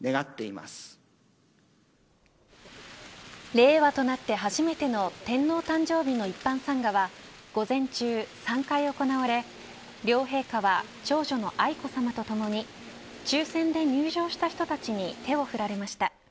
令和となって初めての天皇誕生日の一般参賀は午前中３回行われ両陛下は長女の愛子さまと共に抽選で入場した人たちに手を振られました。